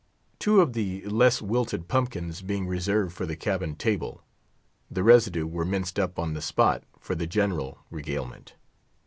Two of the less wilted pumpkins being reserved for the cabin table, the residue were minced up on the spot for the general regalement.